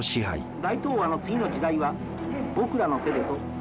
「大東亜の次の時代は僕らの手でと」。